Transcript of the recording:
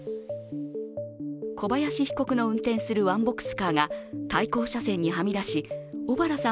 小林被告の運転するワンボックスカーが対向車線にはみ出し小原さん